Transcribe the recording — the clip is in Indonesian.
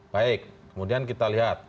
baik kemudian kita lihat